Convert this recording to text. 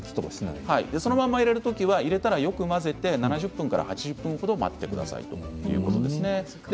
そのまま入れるときはよく混ぜて７０分から８０分待ってくださいということでした。